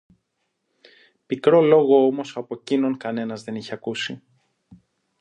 Πικρό λόγο όμως από κείνον κανένας δεν είχε ακούσει